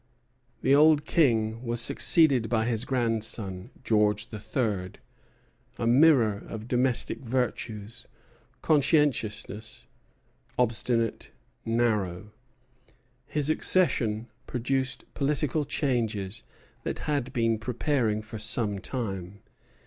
The old King was succeeded by his grandson, George III., a mirror of domestic virtues, conscientious, obstinate, narrow. His accession produced political changes that had been preparing for some time.